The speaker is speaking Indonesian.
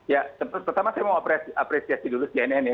ya pertama saya mau apresiasi dulu cnn ya